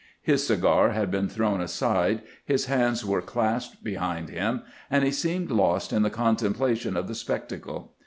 His cigar had been thrown aside, his hands were clasped behind him, and he seemed lost in the contemplation of the spectacle.